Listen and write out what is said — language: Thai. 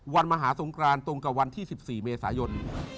มหาสงครานตรงกับวันที่๑๔เมษายน